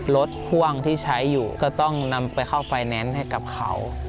รถพ่วงที่ใช้อยู่ก็ต้องนำไปเข้าไฟแนนซ์ให้กับเขา